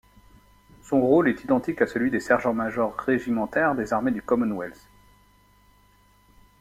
Son rôle est identique à celui des sergent-major régimentaire des armées du Commonwealth.